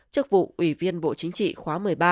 chức vụ ủy viên bộ chính trị khóa một mươi ba